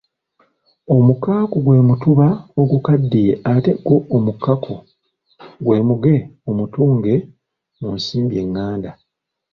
Omukaaku gwe mutuba ogukaddiye ate gwo omukaako gwe muge omutunge mu nsimbi enganda.